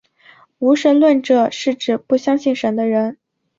无神论者是指不相信神的人。